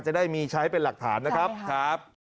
จะได้มีใช้เป็นหลักฐานนะครับ